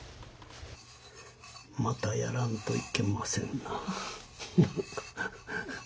またやらんといけませんな。